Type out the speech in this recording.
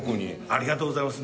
ありがとうございます。